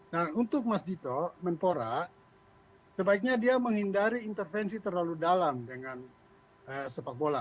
nah untuk mas dito menpora sebaiknya dia menghindari intervensi terlalu dalam dengan sepak bola